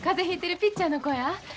ひいてるピッチャーの子や。